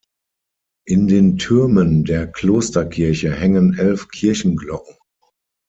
In den Türmen der Klosterkirche hängen elf Kirchenglocken.